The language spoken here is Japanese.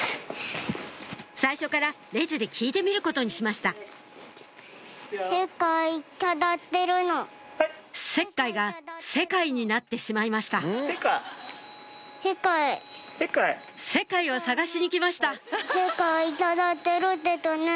最初からレジで聞いてみることにしました「石灰」が「世界」になってしまいました世界を探しに来ました！